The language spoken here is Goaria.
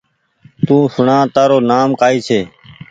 تو سوڻآ تآرو نآم ڪآئي ڇي